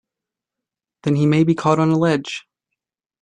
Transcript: Then he may be caught on a ledge!